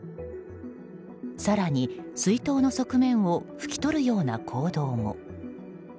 更に、水筒の側面を拭き取るような行動も。